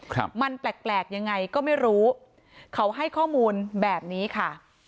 ครับมันแปลกแปลกยังไงก็ไม่รู้เขาให้ข้อมูลแบบนี้ค่ะ